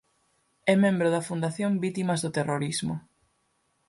É membro da Fundación Vítimas do Terrorismo.